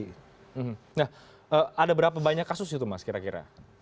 nah ada berapa banyak kasus itu mas kira kira